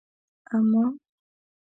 اما